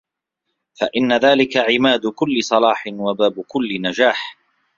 فَإِنَّ ذَلِكَ عِمَادُ كُلِّ صَلَاحٍ وَبَابُ كُلِّ نَجَاحٍ